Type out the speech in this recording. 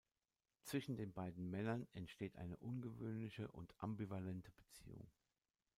Zwischen den beiden Männern entsteht eine ungewöhnliche und ambivalente Beziehung.